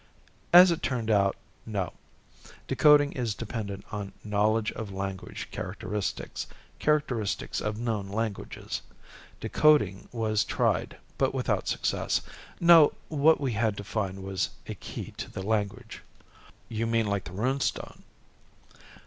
"As it turned out, no. Decoding is dependent on knowledge of language characteristics characteristics of known languages. Decoding was tried, but without success. No, what we had to find was a key to the language." "You mean like the Rune Stone?"